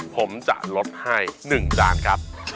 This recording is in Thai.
ผมจะลดให้๑จานครับ